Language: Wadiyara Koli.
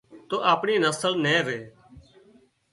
تو اپڻي نسل نين ري